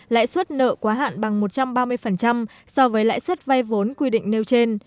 lãi suất nợ quá hạn bằng một trăm ba mươi so với lãi suất vay vốn quy định nêu trên